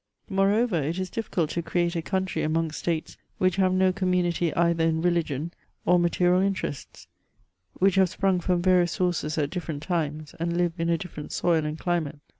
Moreover, it is difficult to create a country amongst States which have no community either in religion or material interests, which have sprung from various sources at diffident times, and live in a different soil and climate.